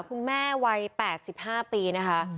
คุณแม่วัย๘๕ปีนะคะ